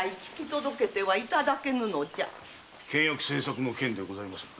倹約政策の件でございましょうか？